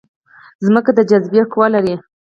ځمکه د جاذبې قوه لري